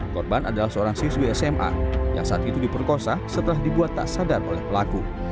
korban adalah seorang siswi sma yang saat itu diperkosa setelah dibuat tak sadar oleh pelaku